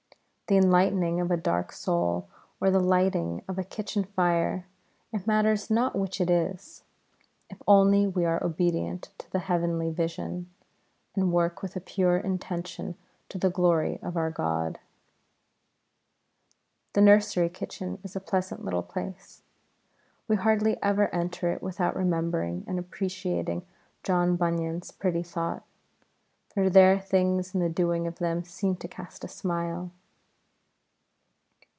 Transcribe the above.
The enlightening of a dark soul or the lighting of a kitchen fire, it matters not which it is, if only we are obedient to the heavenly vision, and work with a pure intention to the glory of our God. [Illustration: NORTH LAKE AND HILLS.] The nursery kitchen is a pleasant little place. We hardly ever enter it without remembering and appreciating John Bunyan's pretty thought, for there things in the doing of them seem to cast a smile.